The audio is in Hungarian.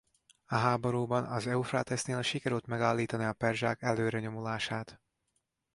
A háborúban az Eufrátesznél sikerült megállítani a perzsák előrenyomulását.